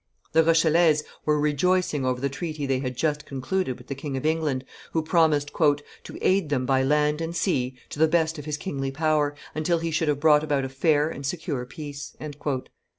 The Rochellese were rejoicing over the treaty they had just concluded with the King of England, who promised "to aid them by land and sea, to the best of his kingly power, until he should have brought about a fair and secure peace."